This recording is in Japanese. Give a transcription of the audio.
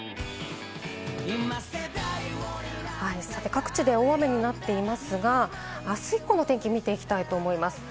各地で大雨になっていますが、あす以降の天気を見ていきたいと思います。